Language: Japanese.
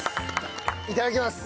いただきます。